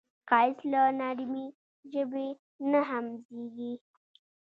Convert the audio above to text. ښایست له نرمې ژبې نه هم زېږي